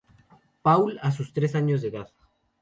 Paul a sus tres años de edad.